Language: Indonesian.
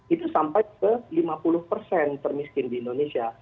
itu sampai ke lima puluh persen termiskin di indonesia